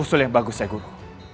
usul yang bagus ya guru